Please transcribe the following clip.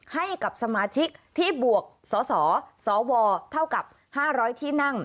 ให้กับสมาชิกที่บวกสสวเท่ากับ๕๐๐ที่นั่ง